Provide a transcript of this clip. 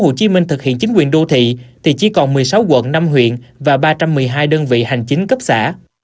bởi khi tp hcm thực hiện chính quyền đô thị thì chỉ còn một mươi sáu quận năm huyện và ba trăm một mươi hai đơn vị hành chính cấp xã